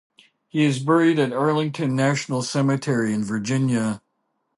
He is buried at Arlington National Cemetery in Virginia.